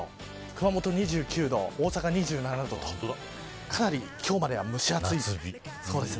熊本２９度、大阪２７度とかなり今日までは蒸し暑いです。